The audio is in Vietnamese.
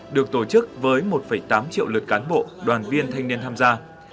được tổ chức với một tám triệu lượt cán bộ đoàn viên thanh niên tham gia